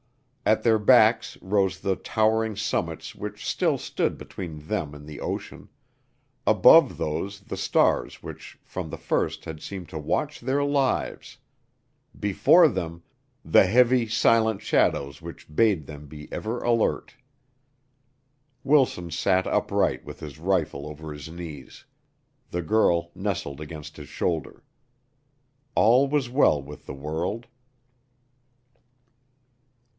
At their backs rose the towering summits which still stood between them and the ocean; above those the stars which from the first had seemed to watch their lives; before them the heavy, silent shadows which bade them be ever alert. Wilson sat upright with his rifle over his knees. The girl nestled against his shoulder. All was well with the world.